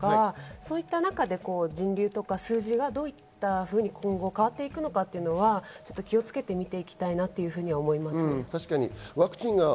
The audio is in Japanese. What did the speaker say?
そういった中で人流や数字がどういったふうに変わっていくかは気をつけて見ていきたいなと思います。